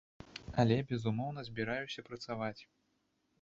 Але, безумоўна, збіраюся працаваць.